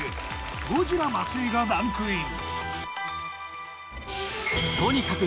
ゴジラ松井がランクイン。